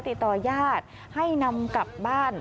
ติดต่อญาติให้นำกลับบ้าน